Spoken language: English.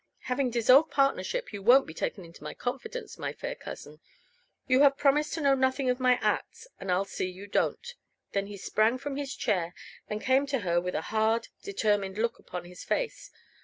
"Having dissolved partnership, you won't be taken into my confidence, my fair cousin. You have promised to know nothing of my acts, and I'll see you don't." Then he sprang from his chair and came to her with a hard, determined look upon his face.